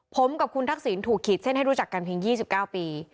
ผมกับคุณทักษิณถูกขีดเส้นให้รู้จักกันเพียง๒๙ปี